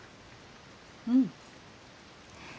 うん。